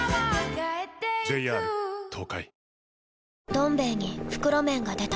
「どん兵衛」に袋麺が出た